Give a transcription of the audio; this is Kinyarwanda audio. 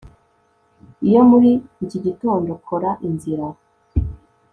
iyo muri iki gitondo kora inzira